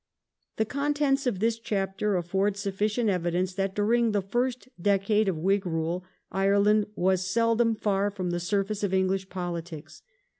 The contents of this chapter afford sufficient evidence that, Death of during the first decade of Whig rule, Ireland was seldom far from J^Jll'am the surface of English politics.